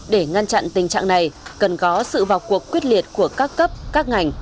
để ngăn chặn tình trạng này cần có sự vào cuộc quyết liệt của các cấp các ngành